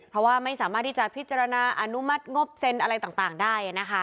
เพราะว่าไม่สามารถที่จะพิจารณาอนุมัติงบเซ็นอะไรต่างได้นะคะ